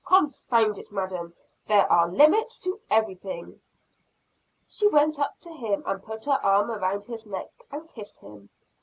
Confound it, Madam, there are limits to everything!" She went up to him and put her arm around his neck and kissed him.